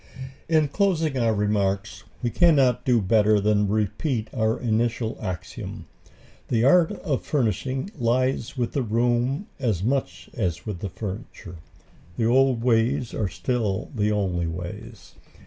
In closing our remarks we cannot do better than repeat our initial axiom the art of furnishing lies with the room as much as with the furniture. The old ways are still the only ways.